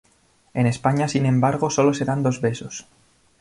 En España, sin embargo, sólo se dan dos besos.